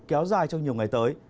kéo dài trong nhiều ngày tới